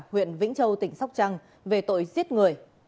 huyện vĩnh châu tỉnh sóc trăng về tội giết người